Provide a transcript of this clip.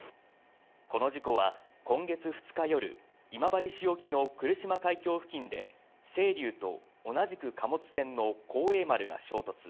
この事故は、今月２日夜、今治市沖の来島海峡付近で、せいりゅうと同じく貨物船のこうえい丸が衝突。